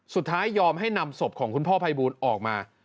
สุดท้ายยอมให้นำศพของคุณพ่อภัยบูลออกมา